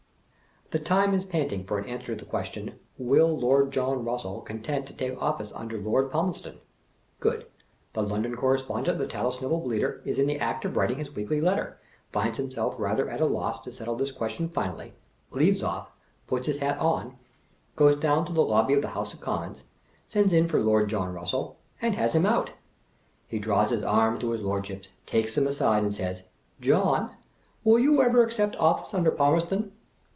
The Time is panting for an answer to the question, Will Lord John Eussell consent to take office under Lord Palm er ston? Good. The London Correspondent of The Tat tlesnivel Bleater is in the act of writing his weekly letter, finds himself rather at a loss to settle this question finally, leaves off, puts his hat on, goes down to the lobby of the House of Commons, sends in for Lord John Eussell, and 302 has him out. He draws his arm through his Lordship's, takes him aside, and says, "John, wUl you ever accept office under Palmerston?"